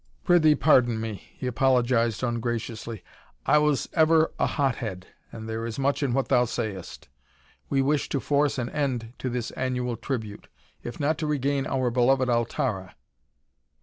"Prithee pardon me," he apologized ungraciously. "I was ever a hot head and there is much in what thou sayest. We wish to force an end to this annual tribute if not to regain our beloved Altara.